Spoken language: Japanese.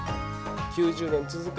９０年続く